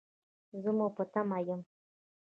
زه مو په تمه یم